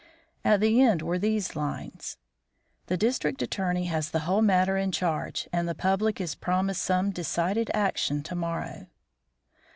At the end were these lines: "The District Attorney has the whole matter in charge, and the public is promised some decided action to morrow."